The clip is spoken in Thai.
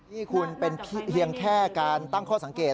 ที่สีข้างที่เป็นเพียงแค่การตั้งข้อสังเกต